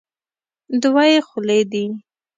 دوه یې خولې دي.